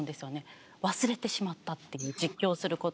忘れてしまったっていう実況することを。